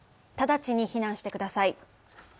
直ちに避難してください。